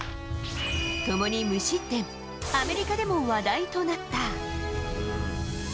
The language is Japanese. ともに無失点、アメリカでも話題となった。